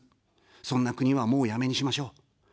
そんな国は、もうやめにしましょう。